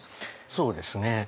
そうですね。